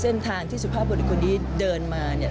เส้นทางที่สุภาพบริคนนี้เดินมาเนี่ย